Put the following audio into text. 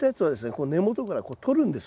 こう根元から取るんです。